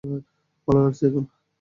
ভালো লাগছে এখন?